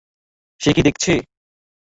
সে কি দেখছে?